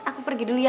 aku pergi dulu ya